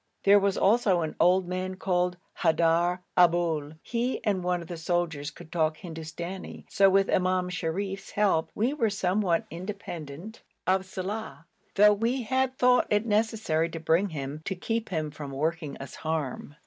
There was also an old man called Haidar Aboul. He and one of the soldiers could talk Hindustani, so with Imam Sharif's help we were somewhat independent of Saleh, though we had thought it necessary to bring him, to keep him from working us harm.